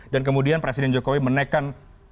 dan kemudian presiden jokowi menaikan